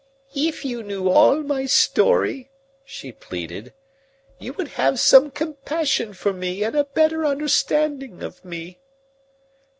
"If you knew all my story," she pleaded, "you would have some compassion for me and a better understanding of me."